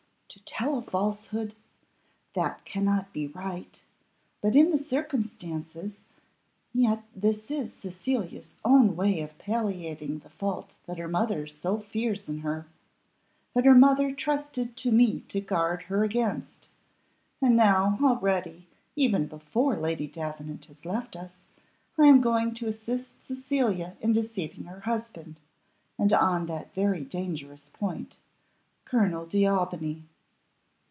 To tell a falsehood! That cannot be right; but in the circumstances yet this is Cecilia's own way of palliating the fault that her mother so fears in her that her mother trusted to me to guard her against; and now, already, even before Lady Davenant has left us, I am going to assist Cecilia in deceiving her husband, and on that very dangerous point Colonel D'Aubigny."